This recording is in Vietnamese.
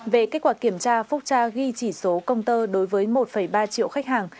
về kết quả kiểm tra phúc tra ghi chỉ số công tơ đối với một ba triệu khách hàng